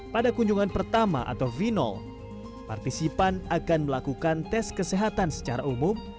pada kunjungan pertama atau v partisipan akan melakukan tes kesehatan secara umum